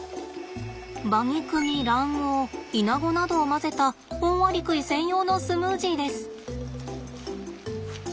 馬肉に卵黄イナゴなどを混ぜたオオアリクイ専用のスムージーです。